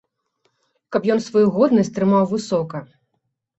Каб ён сваю годнасць трымаў высока.